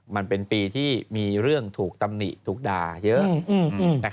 มันเป็นปีที่มีเรื่องถูกตำหนิถูกด่าเยอะ